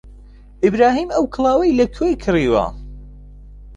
ئیبراهیم ئەو کڵاوەی لەکوێ کڕیوە؟